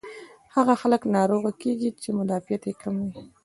هاغه خلک ناروغه کيږي چې مدافعت ئې کم وي